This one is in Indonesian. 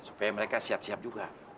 supaya mereka siap siap juga